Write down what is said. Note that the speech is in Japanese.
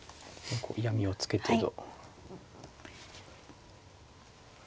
嫌みをつけてと。